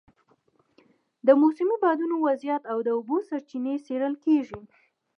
د موسمي بادونو وضعیت او د اوبو سرچینې څېړل کېږي.